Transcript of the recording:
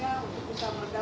dari siapa dari dprm